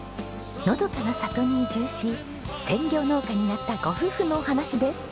のどかな里に移住し専業農家になったご夫婦のお話です。